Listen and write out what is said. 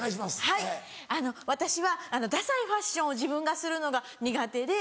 はい私はダサいファッションを自分がするのが苦手で。